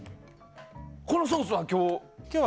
このソースは今日？